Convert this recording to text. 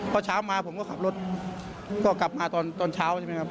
พอเช้ามาผมก็ขับรถก็กลับมาตอนเช้าใช่ไหมครับ